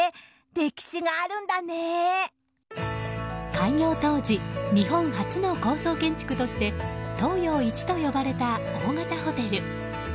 開業当時日本初の高層建築として東洋一と呼ばれた大型ホテル。